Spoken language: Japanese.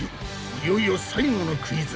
いよいよ最後のクイズ。